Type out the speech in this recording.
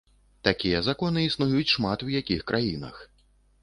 Такія законы існуюць шмат у якіх краінах.